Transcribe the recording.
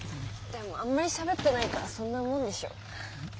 でもあんまりしゃべってないからそんなもんでしょ。